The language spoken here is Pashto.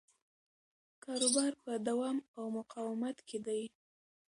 کاروبار په دوام او مقاومت کې دی.